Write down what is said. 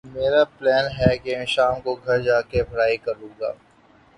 میرا پلین ہے کہ شام کو گھر جا کے میں پڑھائی کرو گا۔